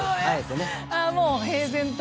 もう平然とこう。